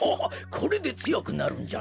これでつよくなるんじゃな。